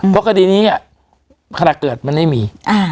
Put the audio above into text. เพราะคดีนี้ขณะเกิดมันไม่มี